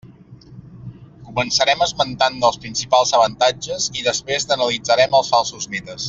Començarem esmentant-ne els principals avantatges i després n'analitzarem els falsos mites.